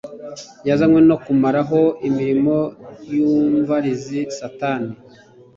Yazanywe no kumaraho imirimo y'tumvarizi Satani,